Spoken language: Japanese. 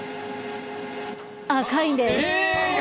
赤いんです。